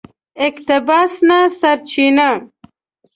اقتباس نه سرچینه